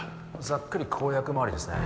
ざっくり公約周りですね